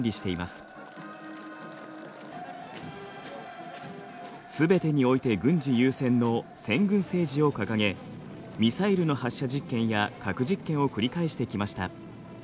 すべてにおいて軍事優先の先軍政治を掲げミサイルの発射実験や核実験を繰り返してきました。